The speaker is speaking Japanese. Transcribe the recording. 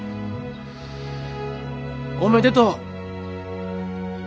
おめでとう。